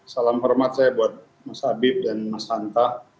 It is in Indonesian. salam hormat saya buat mas habib dan mas hanta